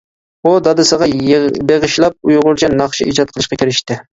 ئۇ، دادىسىغا بېغىشلاپ، ئۇيغۇرچە ناخشا ئىجاد قىلىشقا كىرىشتى.